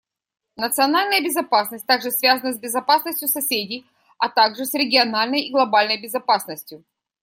Национальная безопасность также связана с безопасностью соседей, а также с региональной и глобальной безопасностью.